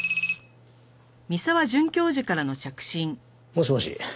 もしもし。